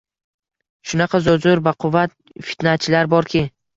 Shunaqa zo‘r-zo‘r baquvvat fitnachilar borki